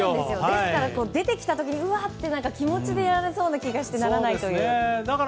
だから、出てきた時にうわって気持ちでやられそうな気がしてならないというか。